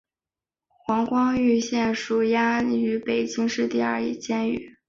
黄光裕现羁押于北京市第二监狱。